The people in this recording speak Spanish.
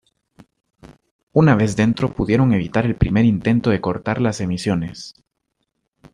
Una vez dentro pudieron evitar el primer intento de cortar las emisiones.